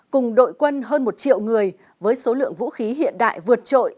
cùng đội quân hơn một triệu người với số lượng vũ khí hiện đại vượt trội